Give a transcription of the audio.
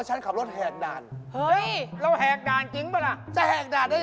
ตอนไฟแดงจอดดู